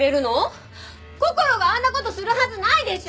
こころがあんな事するはずないでしょ！